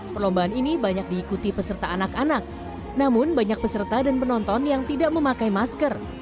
perlombaan ini banyak diikuti peserta anak anak namun banyak peserta dan penonton yang tidak memakai masker